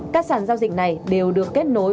các sàn giao dịch này đều được kết nối